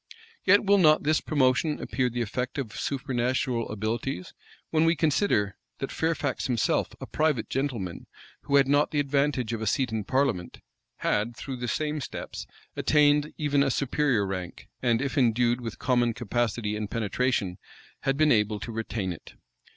Yet will not this promotion appear the effect of supernatural abilities, when we consider, that Fairfax himself, a private gentleman, who had not the advantage of a seat in parliament, had, through the same steps, attained even a superior rank, and, if endued with common capacity and penetration, had been able to retain it.